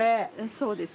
そうです。